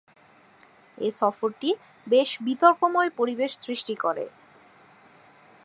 এ সফরটি বেশ বিতর্কময় পরিবেশ সৃষ্টি করে।